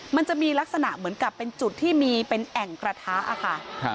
มันจะมีลักษณะเหมือนกับเป็นจุดที่มีเป็นแอ่งกระทะค่ะ